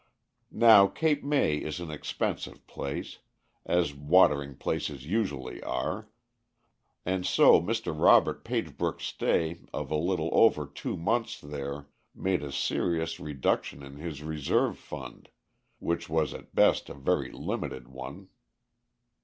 Now Cape May is an expensive place, as watering places usually are, and so Mr. Robert Pagebrook's stay of a little over two months there made a serious reduction in his reserve fund, which was at best a very limited one.